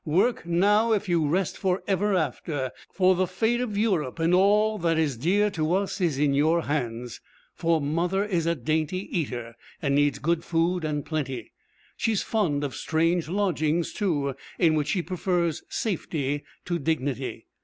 Work now if you rest for ever after, for the fate of Europe and of all that is dear to us is in your hands. For 'Mother' is a dainty eater, and needs good food and plenty. She is fond of strange lodgings, too, in which she prefers safety to dignity.